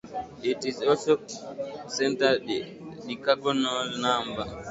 It is also a centered decagonal number.